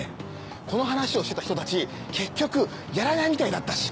この話をしてた人たち結局やらないみたいだったし。